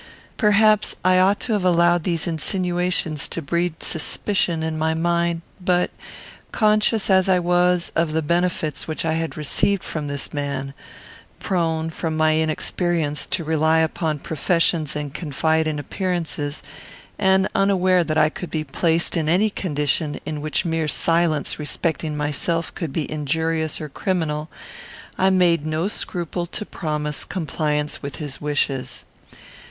Perhaps I ought to have allowed these insinuations to breed suspicion in my mind; but, conscious as I was of the benefits which I had received from this man; prone, from my inexperience, to rely upon professions and confide in appearances; and unaware that I could be placed in any condition in which mere silence respecting myself could be injurious or criminal, I made no scruple to promise compliance with his wishes.